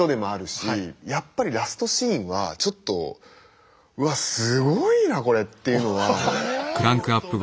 やっぱりラストシーンはちょっとうわっすごいなこれっていうのは。